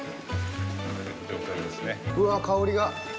うわっ香りが。